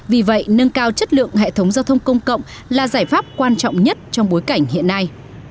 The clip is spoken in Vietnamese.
vì vậy nâng cao chất lượng hệ thống giao thông công cộng là giải pháp quan trọng nhất trong bối cảnh hiện nay